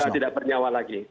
sudah tidak bernyawa lagi